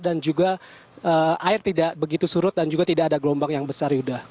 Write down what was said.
dan juga air tidak begitu surut dan juga tidak ada gelombang yang besar yuda